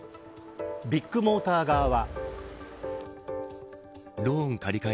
ビッグモーター側は。